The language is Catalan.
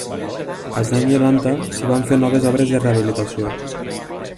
Als anys noranta s'hi van fer noves obres de rehabilitació.